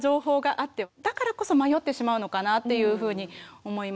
だからこそ迷ってしまうのかなっていうふうに思いますが。